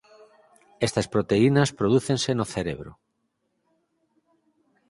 Estas proteínas prodúcense no cerebro.